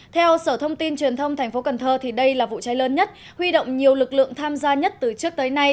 theo sở thông tin truyền thông tp cn đây là vụ cháy lớn nhất huy động nhiều lực lượng tham gia nhất từ trước tới nay